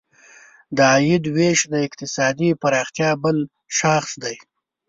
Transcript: د عاید ویش د اقتصادي پراختیا بل شاخص دی.